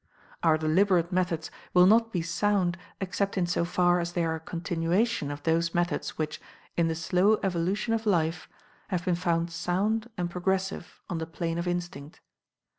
Our deliberate methods will not be sound except in so far as they are a continuation of those methods which, in the slow evolution of life, have been found sound and progressive on the plane of instinct.